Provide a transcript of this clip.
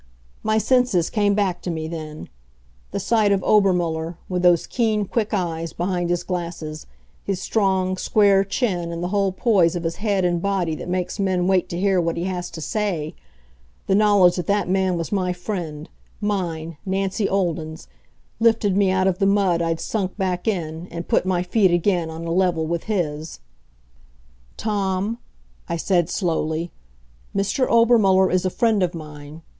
My senses came back to me then. The sight of Obermuller, with those keen, quick eyes behind his glasses, his strong, square chin, and the whole poise of his head and body that makes men wait to hear what he has to say; the knowledge that that man was my friend, mine Nancy Olden's lifted me out of the mud I'd sunk back in, and put my feet again on a level with his. "Tom," I said slowly, "Mr. Obermuller is a friend of mine.